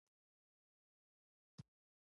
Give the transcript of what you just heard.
ځغاسته د ښوونکي د ښوونې برخه ده